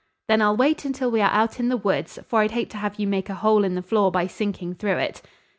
"Then I'll wait until we are out in the woods, for I'd hate to have you make a hole in the floor by sinking through it."